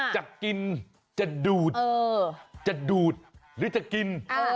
จะกินจะดูดจะดูดหรือจะกิน